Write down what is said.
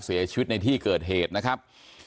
เสียชีวิตในที่เกิดเหตุนะครับ